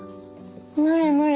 無理無理。